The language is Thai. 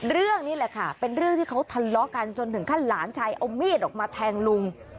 เรื่องนี้แหละค่ะเป็นเรื่องที่เขาทะเลาะกันจนถึงขั้นหลานชายเอามีดออกมาแทงลุง